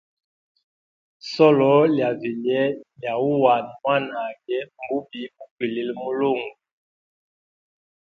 Solo lya vilye lya uhana mwanage mbubi bukwilile mwilungu.